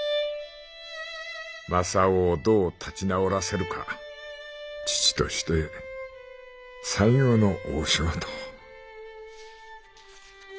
雅夫をどう立ち直らせるか父として最後の大仕事」。